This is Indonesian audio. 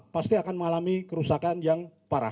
pasti akan mengalami kerusakan yang parah